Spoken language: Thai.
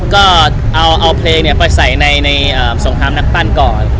ก็เอาเพลงไปใส่ในสงครามนักปั้นก่อน